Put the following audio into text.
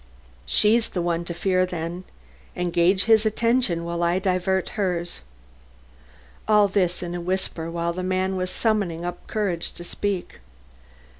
"She's the one to fear, then. Engage his attention while I divert hers." All this in a whisper while the man was summoning up courage to speak.